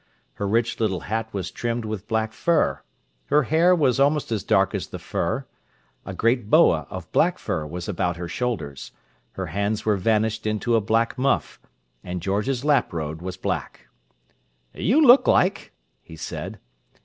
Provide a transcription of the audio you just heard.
Her rich little hat was trimmed with black fur; her hair was almost as dark as the fur; a great boa of black fur was about her shoulders; her hands were vanished into a black muff; and George's laprobe was black. "You look like—" he said.